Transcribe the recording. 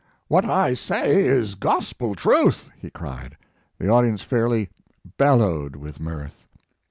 "What I say is Gospel truth, "he cried. The audi ence fairly bellowed with mirth.